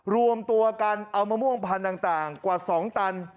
รวมตัวกันเอามะม่วงพันธุ์ต่างกว่า๒ตัน